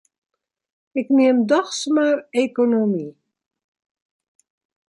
Ik nim dochs mar ekonomy.